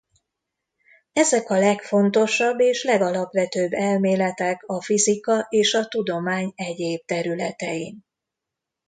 Ezek a legfontosabb és legalapvetőbb elméletek a fizika és a tudomány egyéb területein.